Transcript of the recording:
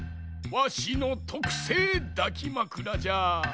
わしのとくせいだきまくらじゃ。